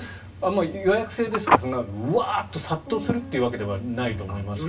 予約制ですから、そんなにウワーッと殺到するわけではないと思いますが。